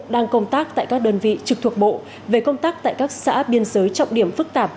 đang công tác tại các đơn vị trực thuộc bộ về công tác tại các xã biên giới trọng điểm phức tạp